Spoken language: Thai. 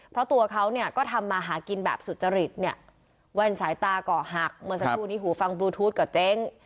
เพราะตัวเขาเนี่ยก็ทำมาหากินแบบสุจริตเนี่ยแว่นสายตาก่อหักเมื่อสักครู่นี้หูฟังบลูทูธกับเจ๊ง